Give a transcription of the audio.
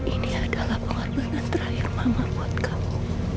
ini adalah penghargaan terakhir mama buat kamu